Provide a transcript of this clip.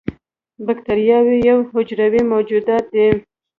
بکتریاوې یو حجروي موجودات دي